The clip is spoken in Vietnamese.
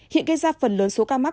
hiện gây ra phần lớn số ca mắc